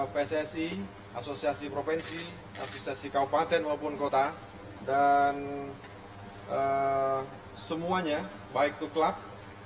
pssi asosiasi provinsi asosiasi kabupaten maupun kota dan semuanya baik itu klub